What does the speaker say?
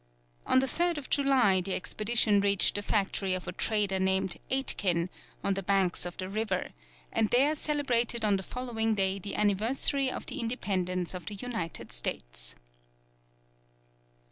On the 3rd July, the expedition reached the factory of a trader named Aitkin, on the banks of the river, and there celebrated on the following day the anniversary of the independence of the United States.